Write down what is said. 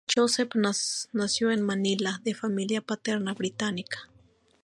Joseph nació en Manila, de familia paterna británica.